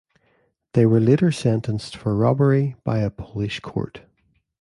They were later sentenced for robbery by a Polish court.